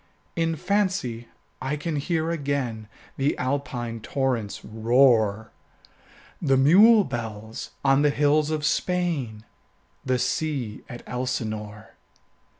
In fancy I can hear again The Alpine torrent's roar, The mule bells on the hills of Spain, 15 The sea at Elsinore.